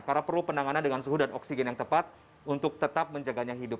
karena perlu penanganan dengan suhu dan oksigen yang tepat untuk tetap menjaganya hidup